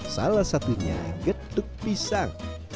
salah satunya getuk pisang